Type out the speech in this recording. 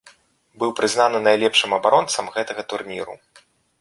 Быў прызнаны найлепшым абаронцам гэтага турніру.